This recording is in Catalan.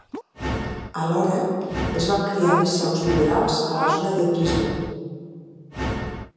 Alhora, es van crear més seus liberals a la zona de Brisbane.